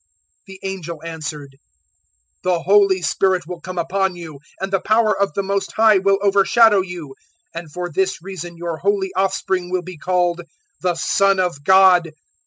001:035 The angel answered, "The Holy Spirit will come upon you, and the power of the Most High will overshadow you; and for this reason your holy offspring will be called `the Son of God.'